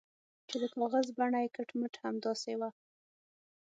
چې د کاغذ بڼه یې کټ مټ همداسې وه.